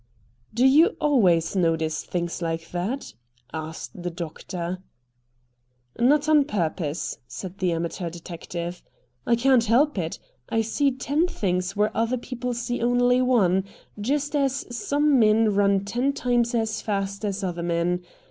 "Do you always notice things like that?" asked the doctor. "Not on purpose," said the amateur detective; "I can't help it. I see ten things where other people see only one; just as some men run ten times as fast as other men.